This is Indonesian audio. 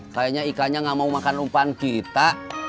kayaknya ikannya gak mau makan rumpan kita